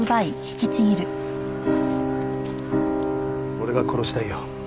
俺が殺したいよ。